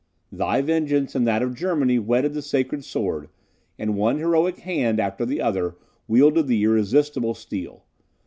Thy vengeance and that of Germany whetted the sacred sword, and one heroic hand after the other wielded the irresistible steel.